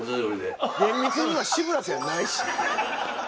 「厳密には志村さんやないし！」